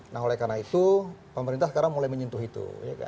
nah oleh karena itu pemerintah sekarang mulai menyentuh itu